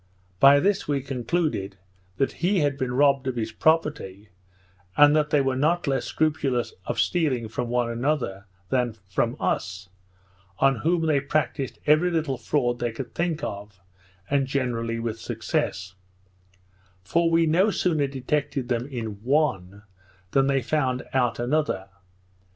By this we concluded, that he had been robbed of his property, and that they were not less scrupulous of stealing from one another, than from us, on whom they practised every little fraud they could think of, and generally with success; for we no sooner detected them in one, than they found out another.